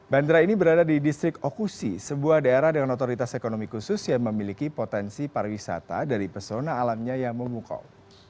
bandara ini berada di distrik okusi sebuah daerah dengan otoritas ekonomi khusus yang memiliki potensi pariwisata dari pesona alamnya yang memukau